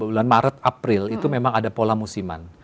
bulan maret april itu memang ada pola musiman